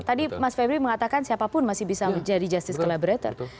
tadi mas febri mengatakan siapapun masih bisa menjadi justice collaborator